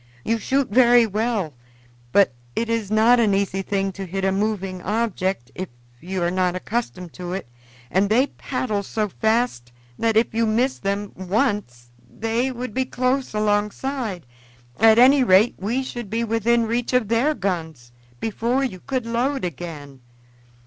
"You shoot very well, but it is not an easy thing to hit a moving object if you are not accustomed to it, and they paddle so fast that if you miss them once they would be close alongside at any rate we should be within reach of their guns before you could load again.